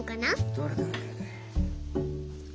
どれどれどれどれ。